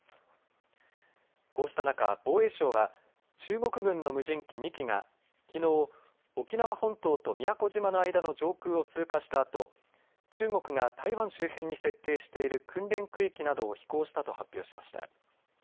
こうした中、防衛省は中国軍の無人機２機がきのう、沖縄本島と宮古島の間の上空を通過したあと中国が台湾周辺に設定している訓練区域などを飛行したと発表しました。